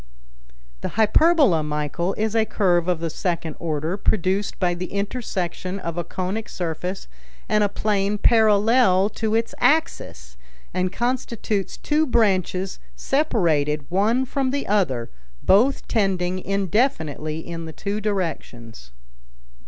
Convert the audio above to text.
"The hyperbola, Michel, is a curve of the second order, produced by the intersection of a conic surface and a plane parallel to its axis, and constitutes two branches separated one from the other, both tending indefinitely in the two directions."